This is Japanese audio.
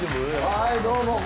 はいどうも。